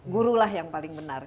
gurulah yang paling benar